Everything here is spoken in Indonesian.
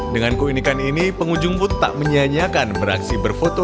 dengan keunikan ini pengunjungmu tak menyanyiakan beraksi berfoto